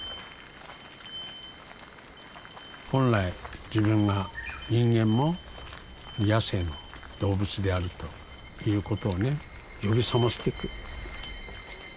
本来自分が人間も野性の動物であるということをね呼び覚ましていく。